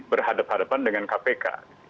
berhadapan hadapan dengan kpk